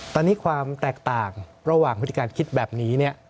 ตอนนี้ความแตกต่างระหว่างพฤติการคิดแบบนี้